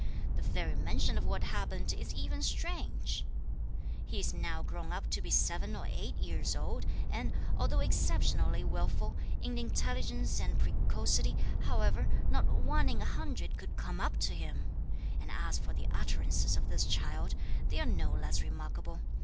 The very mention of what happened is even strange! He is now grown up to be seven or eight years old, and, although exceptionally wilful, in intelligence and precocity, however, not one in a hundred could come up to him! And as for the utterances of this child, they are no less remarkable.